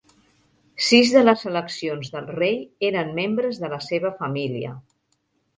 Sis de les seleccions del Rei eren membres de la seva família.